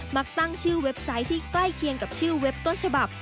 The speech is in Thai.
มักตั้งชื่อเว็บไซต์ที่ใกล้เคียงกับชื่อเว็บต้นฉบับ